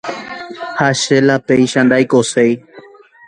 ha che la péicha ndaikoséi